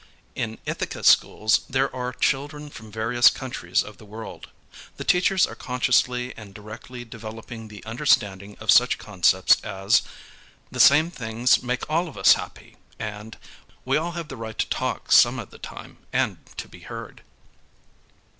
In Ithaca schools there are children from various countries of the world. The teachers are consciously and directly developing the understanding of such concepts as: "The same things make all of us happy." and "We all have a right to talk some of the time, and to be heard."